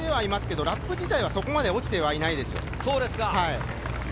遅れてはいますけど、ラップ自体はそこまで落ちていないですよ。